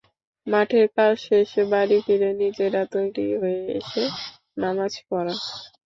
মাঠের কাজ শেষে বাড়ি ফিরে নিজেরা তৈরি হয়ে এসে নামাজ পড়া।